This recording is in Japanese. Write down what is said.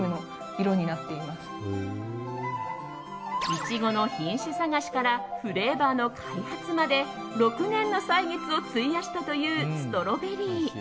イチゴの品種探しからフレーバーの開発まで６年の歳月を費やしたというストロベリー。